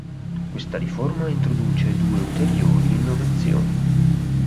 Questa riforma introduce due ulteriori innovazioni.